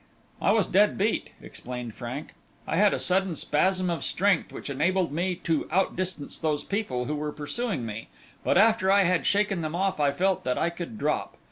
"I was dead beat," explained Frank. "I had a sudden spasm of strength which enabled me to out distance those people who were pursuing me, but after I had shaken them off I felt that I could drop.